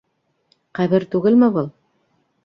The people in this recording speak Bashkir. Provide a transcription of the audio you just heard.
- Ҡәбер түгелме был?